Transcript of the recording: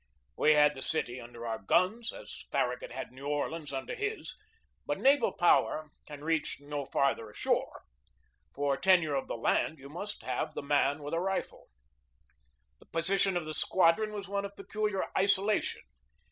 We had the city under our guns, as Farragut had New Orleans under his. But naval power can reach no farther ashore. For tenure of the land you must have the man with a rifle. The position of the squadron was one of peculiar isolation.